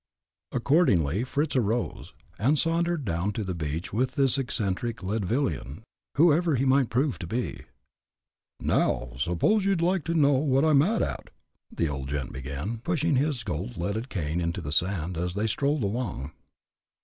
Accordingly Fritz arose, and sauntered down to the beach with this eccentric Leadvillian, whoever he might prove to be. "Now, I suppose you'd like to know what I'm mad at," the old gent began, pushing his gold headed cane into the sand, as they strolled along.